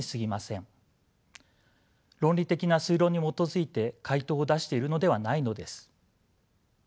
論理的な推論に基づいて回答を出しているのではないのです。